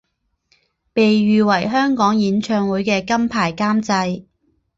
被誉为香港演唱会的金牌监制。